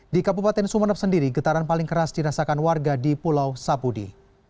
di kabupaten sumeneb sendiri getaran paling keras dirasakan warga di pulau sapudi